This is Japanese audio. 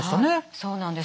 そうなんです。